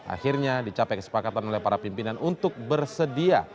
akhirnya dicapai kesepakatan oleh para pimpinan untuk bersedia